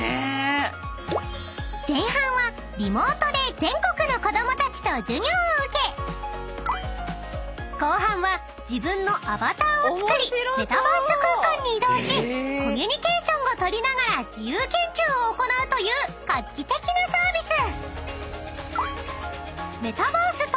［前半はリモートで全国の子供たちと授業を受け後半は自分のアバターを作りメタバース空間に移動しコミュニケーションを取りながら自由研究を行うという画期的なサービス］